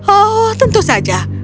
oh tentu saja